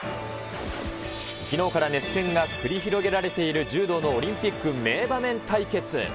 きのうから熱戦が繰り広げられている柔道のオリンピック名場面対決。